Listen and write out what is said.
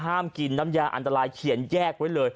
ห้ามกินน้ำยาอันตรายเขียนแยกไว้เลย